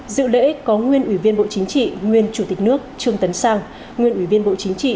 dự lễ có nguyên ủy viên bộ chính trị nguyên chủ tịch nước trương tấn sang nguyên ủy viên bộ chính trị